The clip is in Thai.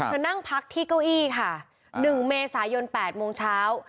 นั่งพักที่เก้าอี้ค่ะ๑เมษายน๘โมงเช้า